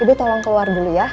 tapi tolong keluar dulu ya